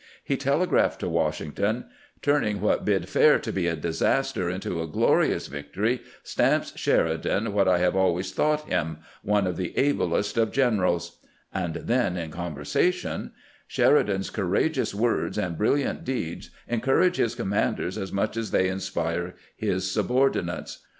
He tele graphed to Washington :" Turning what bid fair to be a disaster into a glorious victory stamps Sheridan what I have always thought him — one of the ablest of gene rals "; and said in conversation :" Sheridan's courageous word^ and brilliant deeds encourage his commanders as much as they inspire his subordinates.